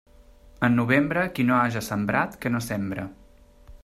En novembre, qui no haja sembrat, que no sembre.